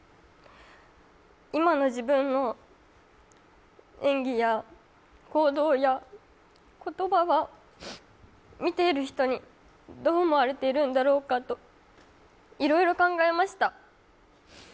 今の自分の演技や行動や言葉は見ている人にどう思われているんだろうかと、いろいろ考えました。